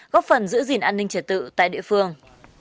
góp phần giữ gìn an ninh trật tự tại địa phương